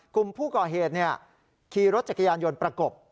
กลุ่มผู้ก่อเหตุขี่รถจักรยานยนต์ประกบ